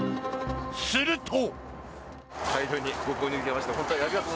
すると。